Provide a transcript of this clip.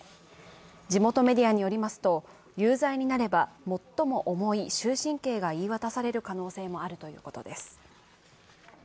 地元メディアによりますと有罪になれば最も重い終身刑が言い渡される可能性もあるということです。